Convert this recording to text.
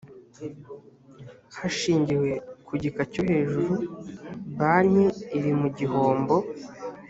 hashingiwe ku gika cyo hejuru banki iri mugihombo